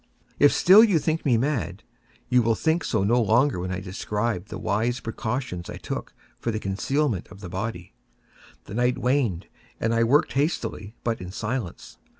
If still you think me mad, you will think so no longer when I describe the wise precautions I took for the concealment of the body. The night waned, and I worked hastily, but in silence.